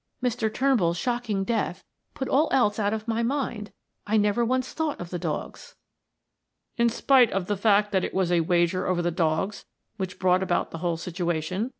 Mr. Turnbull's shocking death put all else out of my mind; I never once thought of the dogs." "In spite of the fact that it was a wager over the dogs which brought about the whole situation?"